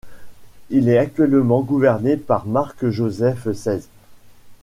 Il est actuellement gouverné par Mark Joseph Seitz.